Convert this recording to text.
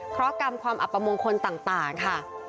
เพราะกรรมความอัปมงคลต่างค่ะ